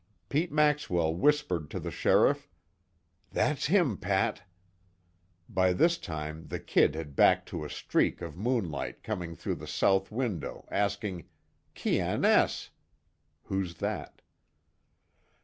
Pete Maxwell whispered to the sheriff: "That's him, Pat." By this time the "Kid" had backed to a streak of moonlight coming through the south window, asking: "Quien Es?" (Who's that?)